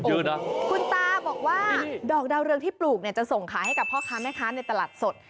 เยอะนะคุณตาบอกว่าดอกดาวเรืองที่ปลูกเนี่ยจะส่งขายให้กับพ่อค้าแม่ค้าในตลาดสด